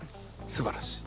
すばらしい。